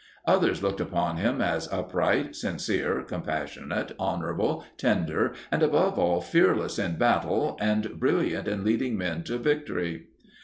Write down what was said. Others looked upon him as upright, sincere, compassionate, honorable, tender, and above all fearless in battle and brilliant in leading men to victory.